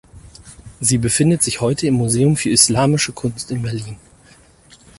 Sie befindet sich heute im Museum für Islamische Kunst in Berlin.